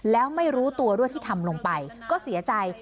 แล้วไม่รู้ตัวด้วยที่ทำลงไปก็เสียใจ